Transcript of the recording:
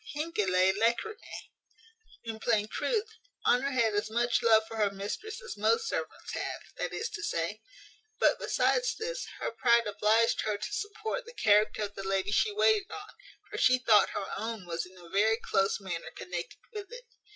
Hinc illae lachrymae; in plain truth, Honour had as much love for her mistress as most servants have, that is to say But besides this, her pride obliged her to support the character of the lady she waited on; for she thought her own was in a very close manner connected with it.